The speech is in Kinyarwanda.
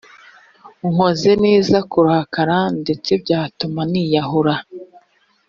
nkoze neza kurakara ndetse byatuma niyahura